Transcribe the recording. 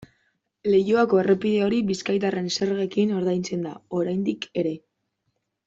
Leioako errepide hori bizkaitarren zergekin ordaintzen da, oraindik ere.